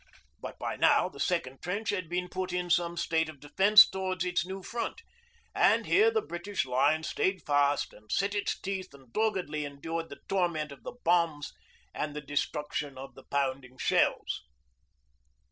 But by now the second trench had been put in some state of defence towards its new front, and here the British line stayed fast and set its teeth and doggedly endured the torment of the bombs and the destruction of the pounding shells.